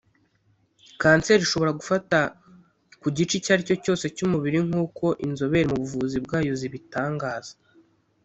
Kanseri ishobora gufata ku gice icyo ari cyo cyose cy’umubiri nk’uko inzobere mu buvuzi bwayo zibitangaza